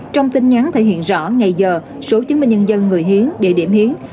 trong tin nhắn thể hiện rõ ngày giờ số chứng minh nhân dân người hiến địa điểm hiến